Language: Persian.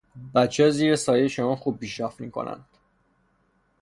بچه ها زیر سایه شما خوب پیشرفت می کنند.